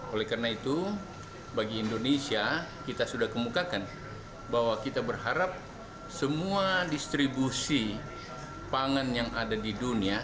oleh karena itu bagi indonesia kita sudah kemukakan bahwa kita berharap semua distribusi pangan yang ada di dunia